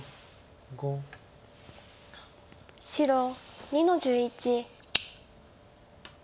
白２の十一。